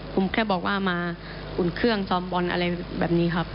ผมแค่บอกว่ามาอุ่นเครื่องซ้อมบอลอะไรแบบนี้ครับ